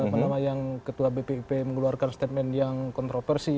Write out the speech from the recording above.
pertama yang ketua bpip mengeluarkan statement yang kontroversi